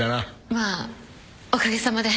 まあおかげさまで。